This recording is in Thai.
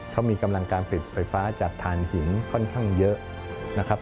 เขามีกำลังการผลิตไฟฟ้าจากฐานหินค่อนข้างเยอะนะครับ